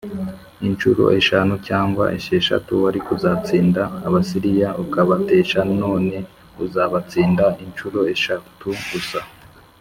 incuro eshanu cyangwa esheshatu wari kuzatsinda Abasiriya ukabatsemba None uzabatsinda incuro eshatu gusa